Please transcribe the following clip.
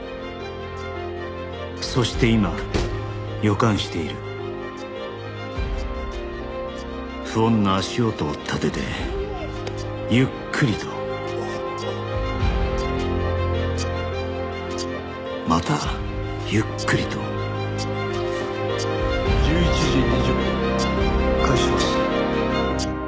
「そして今予感している」「不穏な足音を立ててゆっくりと」「またゆっくりと」１１時２０分開始します。